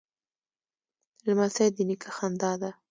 لمسی د نیکه خندا ده.